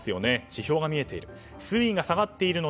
地表が見えている。